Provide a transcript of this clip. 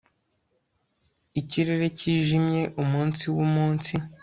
Ikirere cyijimye umunsi wumunsi